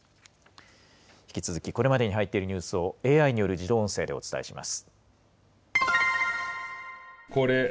引き続きこれまでに入っているニュースを、ＡＩによる自動音声でお伝えします。